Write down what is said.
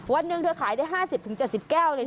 วันหนึ่งเธอขายได้๕๐๗๐แก้วเลย